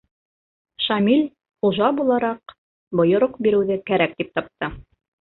Шамил, хужа булараҡ, бойороҡ биреүҙе кәрәк тип тапты: